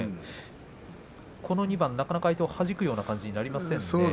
この２番、相手をはじくような感じになりませんね。